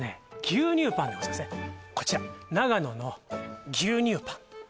牛乳パンでございますねこちら長野の牛乳パン